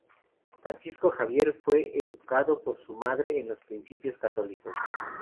Francisco Javier fue educado por su madre en los principios católicos.